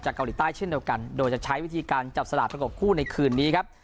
เกาหลีใต้เช่นเดียวกันโดยจะใช้วิธีการจับสลากประกบคู่ในคืนนี้ครับ